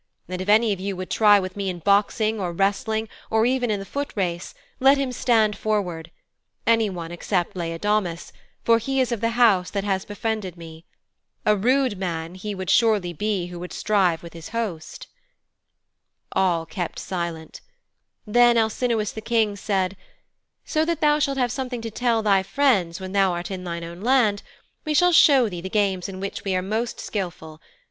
And if any of you would try with me in boxing or wrestling or even in the foot race, let him stand forward anyone except Laodamas, for he is of the house that has befriended me. A rude man he would surely be who should strive with his host.' All kept silence. Then Alcinous the King said, 'So that thou shalt have something to tell thy friends when thou art in thine own hand, we shall show thee the games in which we are most skilful.